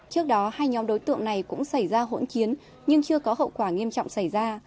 trước đó hai nhóm đối tượng này cũng xảy ra hỗn chiến nhưng chưa có hậu quả nghiêm trọng xảy ra